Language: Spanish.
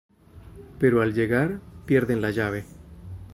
Pero al llegar, pierden la llave.